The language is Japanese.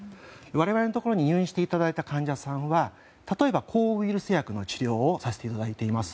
我々のところに入院していただいた患者さんは例えば抗ウイルス薬の治療をさせていただいています。